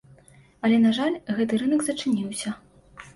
Але, на жаль, гэты рынак зачыніўся.